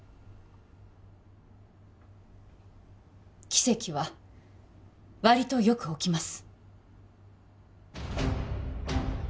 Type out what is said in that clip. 奇跡はわりとよく起きます